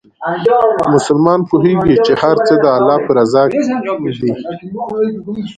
مسلمان پوهېږي چې هر څه د الله په رضا دي.